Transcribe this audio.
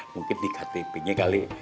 mungkin di ktp nya kali